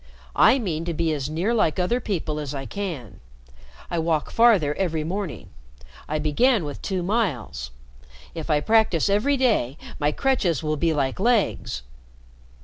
I mean to be as near like other people as I can. I walk farther every morning. I began with two miles. If I practice every day, my crutches will be like legs."